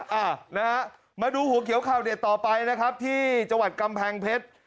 อ่านะฮะมาดูหัวเขียวข่าวเด็ดต่อไปนะครับที่จังหวัดกำแพงเพชร